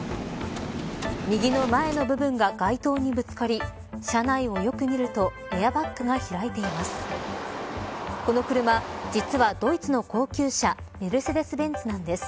右の前の部分が街灯にぶつかり車内をよく見るとエアバッグが開いています。